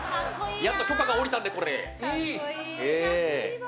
やっと許可が下りたので。